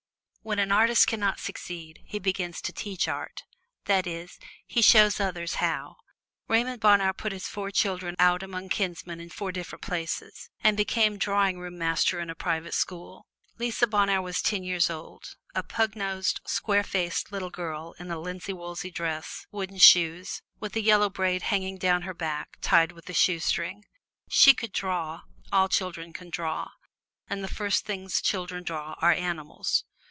When an artist can not succeed, he begins to teach art that is, he shows others how. Raymond Bonheur put his four children out among kinsmen in four different places, and became drawing master in a private school. Rosa Bonheur was ten years old: a pug nosed, square faced little girl in a linsey woolsey dress, wooden shoon, with a yellow braid hanging down her back tied with a shoestring. She could draw all children can draw and the first things children draw are animals.